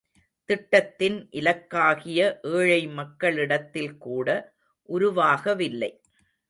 திட்டத்தின் இலக்காகிய ஏழை மக்களிடத்தில் கூட உருவாகவில்லை!